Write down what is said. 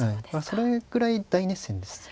それくらい大熱戦です。